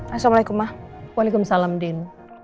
assalamualaikum waalaikumsalam din